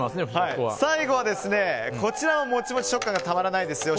最後は、こちらもモチモチ食感がたまらないですよ。